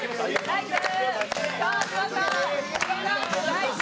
ナイス！